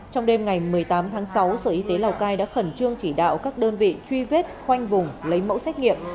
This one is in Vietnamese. trong đêm ngày một mươi tám tháng sáu sở y tế lào cai đã khẩn trương chỉ đạo các đơn vị truy vết khoanh vùng lấy mẫu xét nghiệm